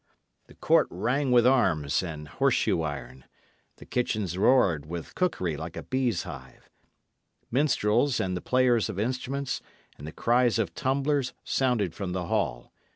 The court rang with arms and horseshoe iron; the kitchens roared with cookery like a bees' hive; minstrels, and the players of instruments, and the cries of tumblers, sounded from the hall.